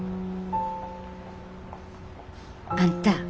あんた。